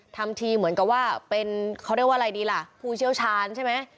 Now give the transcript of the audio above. ทำทีเหมือนกับว่าเป็นเขาเรียกว่าอะไรดีล่ะผู้เชี่ยวชาญใช่ไหม